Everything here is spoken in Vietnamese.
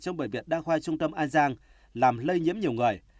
trong bệnh viện đa khoa trung tâm an giang làm lây nhiễm nhiều người